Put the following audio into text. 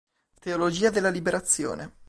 Teologia della liberazione.